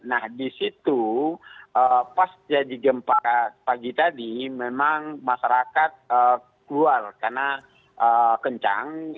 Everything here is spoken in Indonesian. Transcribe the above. nah di situ pas jadi gempa pagi tadi memang masyarakat keluar karena kencang